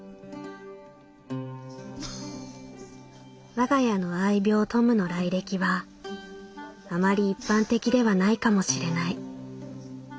「我が家の愛猫トムの来歴はあまり一般的ではないかもしれない」。